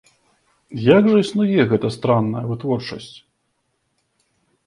Як жа існуе гэтая стратная вытворчасць?